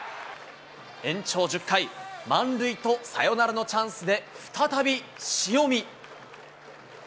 延長１０回、満塁とサヨナラのチャンスで再び塩見。